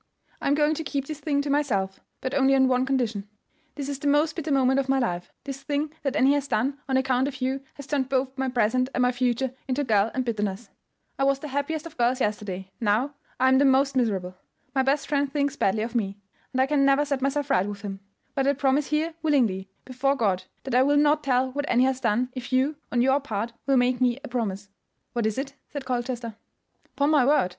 I am going to keep this thing to myself; but only on a condition. This is the most bitter moment of my life; this thing that Annie has done on account of you has turned both my present and my future into gall and bitterness. I was the happiest of girls yesterday; now I am the most miserable. My best friend thinks badly of me, and I can never set myself right with him. But I promise here willingly, before God, that I will not tell what Annie has done, if you, on your part, will make me a promise." "What is it?" said Colchester. "'Pon my word!